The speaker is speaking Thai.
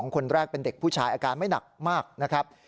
คนแรกเป็นเด็กผู้ชายอาการไม่หนักมากนะครับ